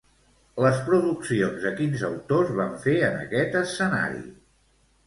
Les produccions de quins autors van fer en aquest escenari?